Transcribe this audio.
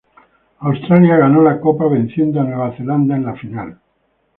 Australia ganó la Copa, venciendo a Nueva Zelanda en la final.